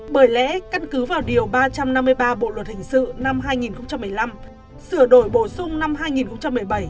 bởi lẽ căn cứ vào điều ba trăm năm mươi ba bộ luật hình sự năm hai nghìn một mươi năm sửa đổi bổ sung năm hai nghìn một mươi bảy